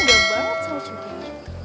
enggak banget sama si ririn